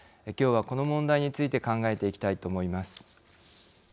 きょうはこの問題について考えていきたいと思います。